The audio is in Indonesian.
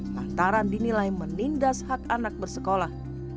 lantaran dinilai menindas hak anak bersekolah